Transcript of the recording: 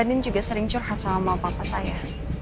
andin juga sering curhat sama lama papa saya